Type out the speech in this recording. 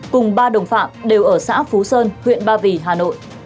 cùng ba đồng phạm đều ở xã phú sơn huyện ba vì hà nội